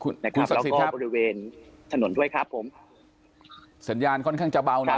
แล้วก็บริเวณถนนด้วยครับผมสัญญาณค่อนข้างจะเบาหน่อย